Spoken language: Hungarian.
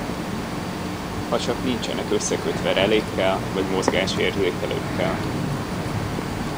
Hacsak nincsenek összekötve relékkel vagy mozgásérzékelőkkel.